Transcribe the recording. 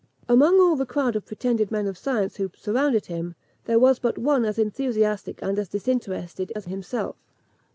Among all the crowd of pretended men of science who surrounded him, there was but one as enthusiastic and as disinterested as himself.